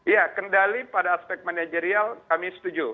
ya kendali pada aspek manajerial kami setuju